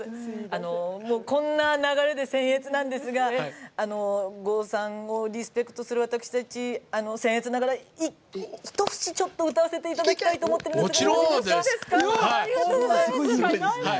こんな流れでせん越なんですが郷さんをリスペクトする私たち一節、ちょっと歌わせていただきたいとも思ってるんですが。